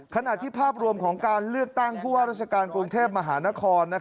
ขณะที่ภาพรวมของการเลือกตั้งผู้ว่าราชการกรุงเทพมหานคร